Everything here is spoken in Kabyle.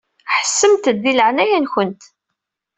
Ḥessemt-d di leɛnaya-nkent.